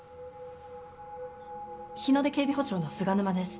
日ノ出警備保障の菅沼です。